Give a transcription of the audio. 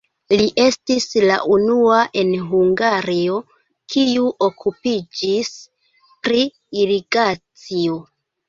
Li estis la unua en Hungario, kiu okupiĝis pri irigacio.